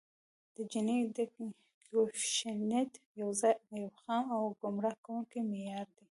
د جیني کویفیشینټ یو خام او ګمراه کوونکی معیار دی